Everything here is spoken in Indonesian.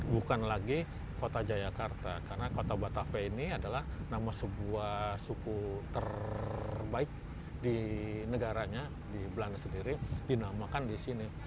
bukan lagi kota jayakarta karena kota batavia ini adalah nama sebuah suku terbaik di negaranya di belanda sendiri dinamakan di sini